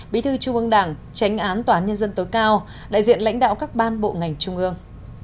bí thư trung ương đảng tránh án tòa án nhân dân tối cao đại diện lãnh đạo các ban bộ ngành trung ương